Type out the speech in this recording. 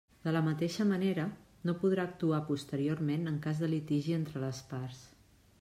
De la mateixa manera, no podrà actuar posteriorment en cas de litigi entre les parts.